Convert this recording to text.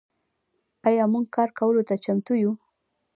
آیا موږ کار کولو ته چمتو یو؟